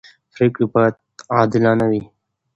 پرېکړې باید عادلانه وي